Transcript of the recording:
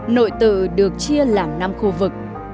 nội tự được chia làm năm khu vực